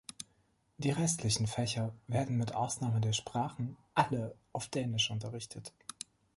Die restlichen Fächer werden mit Ausnahme der Sprachen alle auf Dänisch unterrichtet.